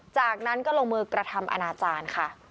จากนั้นก็ลงมือกระทำอนาจารย์ค่ะ